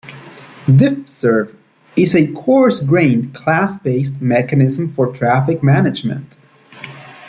DiffServ is a "coarse-grained", "class-based" mechanism for traffic management.